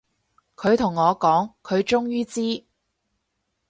佢同我講，佢終於知